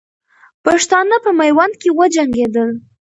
پښتانه په میوند کې وجنګېدل.